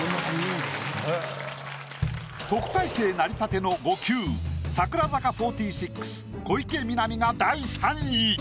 特待生なりたての５級櫻坂４６・小池美波が第３位。